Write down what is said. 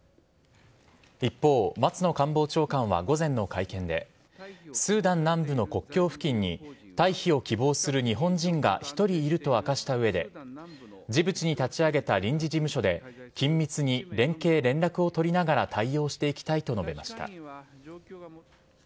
一方、松野官房長官は午前の会見で、スーダン南部の国境付近に退避を希望する日本人が１人いると明かしたうえで、ジブチに立ち上げた臨時事務所で、緊密に連携・連絡を取りながら、対応していきたいと述べました。